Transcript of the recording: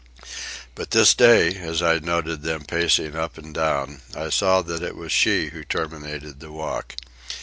But this day, as I noted them pacing up and down, I saw that it was she who terminated the walk.